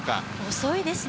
遅いですね。